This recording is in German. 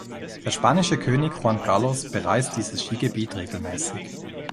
Der spanische König Juan Carlos bereist dieses Skigebiet regelmäßig.